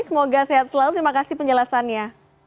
semoga sehat selalu terima kasih penjelasannya